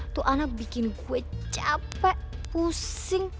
tuh anak bikin gue capek pusing